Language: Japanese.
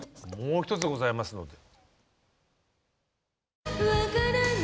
もう一つございますので。